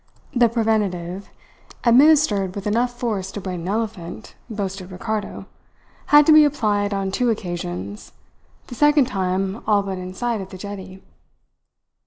The preventive, administered with enough force to brain an elephant, boasted Ricardo, had to be applied on two occasions the second time all but in sight of the jetty.